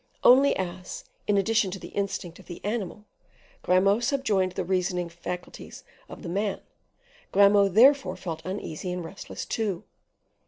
Only as, in addition to the instinct of the animal, Grimaud subjoined the reasoning faculties of the man, Grimaud therefore felt uneasy and restless too.